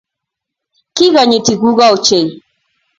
Kikonyitii gugo ochei